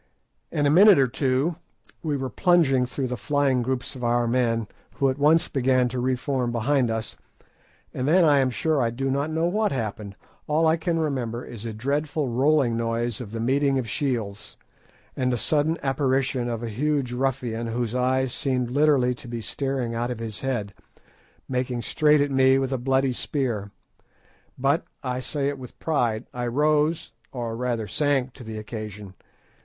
In a minute or two—we were plunging through the flying groups of our men, who at once began to re form behind us, and then I am sure I do not know what happened. All I can remember is a dreadful rolling noise of the meeting of shields, and the sudden apparition of a huge ruffian, whose eyes seemed literally to be starting out of his head, making straight at me with a bloody spear. But—I say it with pride—I rose—or rather sank—to the occasion.